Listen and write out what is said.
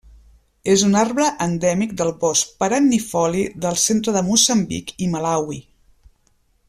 És un arbre endèmic del bosc perennifoli del centre de Moçambic i Malawi.